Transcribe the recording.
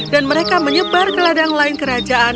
dan mereka menyebar ke ladang lain kerajaan